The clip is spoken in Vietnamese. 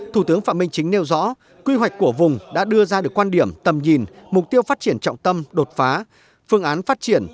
thủ tướng phạm minh chính nêu rõ quy hoạch của vùng đã đưa ra được quan điểm tầm nhìn